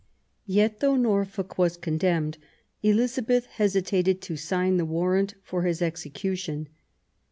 Yet, though Norfolk was condemned, Elizabeth hesitated to sign the warrant for his execution.